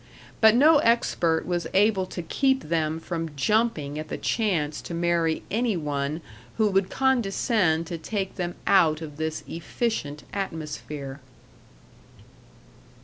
But no expert was able to keep them from jumping at the chance to marry any one who would condescend to take them out of this efficient atmosphere.